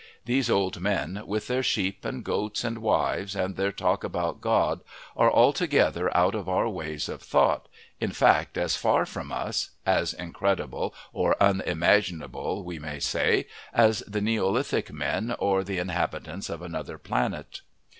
These old men, with their sheep and goats and wives, and their talk about God, are altogether out of our ways of thought, in fact as far from us as incredible or unimaginable, we may say as the neolithic men or the inhabitants of another planet.